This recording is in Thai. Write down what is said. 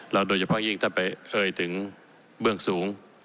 โดยเฉพาะยิ่งถ้าไปเอ่ยถึงเบื้องสูง